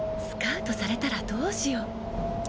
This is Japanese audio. スカウトされたらどうしよう？